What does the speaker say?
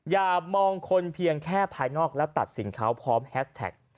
อย่ามองคนเพียงแค่ภายนอกแล้วตัดสินเขาพร้อมแฮสแท็ก